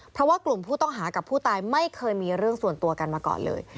เพราะว่ากลุ่มผู้ต้องหากับผู้ตายไม่เคยมีเรื่องส่วนตัวกันมาก่อนเลย